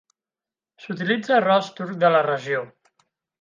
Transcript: S'utilitza arròs turc de la regió.